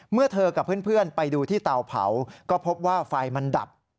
เมื่อเธอกับเพื่อนไปดูที่เตาเผาก็พบว่าไฟมันดับ